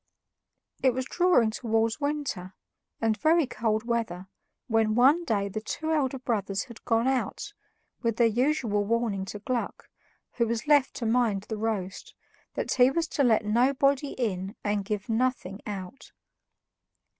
It was drawing towards winter, and very cold weather, when one day the two elder brothers had gone out, with their usual warning to little Gluck, who was left to mind the roast, that he was to let nobody in and give nothing out.